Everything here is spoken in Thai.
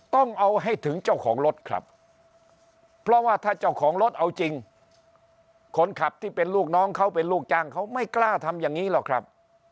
ต้องเอาให้ถึงเจ้าของรถครับเพราะว่าถ้าเจ้าของรถเอาจริงคนขับที่เป็นลูกน้องเขาเป็นลูกจ้างเขาไม่กล้าทำอย่างนี้หรอกครับ